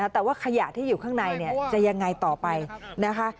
แต่ว่าขยะที่อยู่ข้างในจะยังไงต่อไปนะคะ